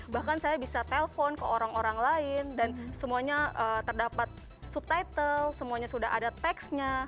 bahkan saya bisa telpon ke orang orang lain dan semuanya terdapat subtitle semuanya sudah ada teksnya